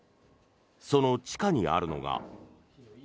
その地下にあるのが。